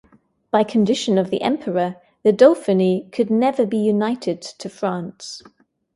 By condition of the Emperor, the Dauphiny could never be united to France.